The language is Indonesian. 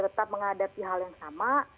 tetap menghadapi hal yang sama